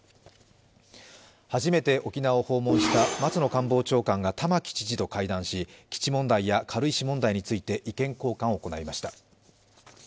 初めて沖縄を訪問した松野官房長官が玉城知事と会談し、基地問題や軽石問題について意見交換を行いました。